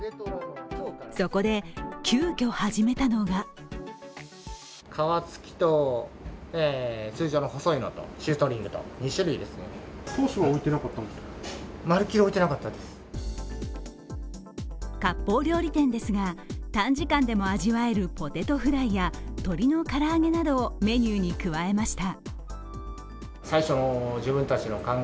そこで、急きょ始めたのがかっぽう料理店ですが短時間でも味わえるポテトフライや鶏の唐揚げなどをメニューに加えました。